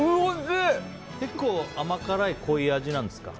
結構甘辛い、濃い味なんですか？